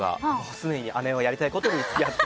常に姉のやりたいことをやって。